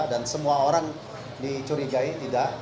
dan semua orang dicurigai tidak